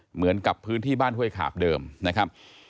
เหมือนกับพื้นที่บ้านห้วยขาบเดิมนะครับ